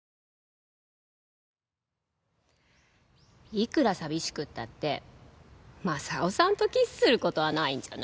いくら寂しくったってマサオさんとキスする事はないんじゃない？